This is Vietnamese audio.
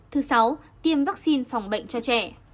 thứ sáu tiêm vaccine phòng bệnh cho trẻ